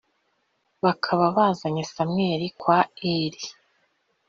bakaba bazanye samweli kwa eli